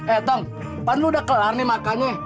eh tong pernah lo udah kelar nih makannya